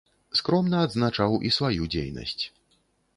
Скромна адзначаў і сваю дзейнасць.